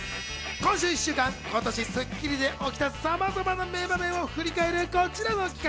今週１週間、今年『スッキリ』で起きた、さまざまな名場面を振り返るこちらの企画。